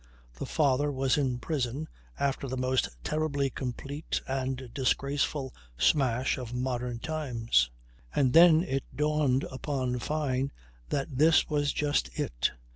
The father was in prison after the most terribly complete and disgraceful smash of modern times. And then it dawned upon Fyne that this was just it.